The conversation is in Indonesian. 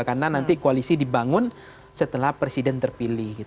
karena nanti koalisi dibangun setelah presiden terpilih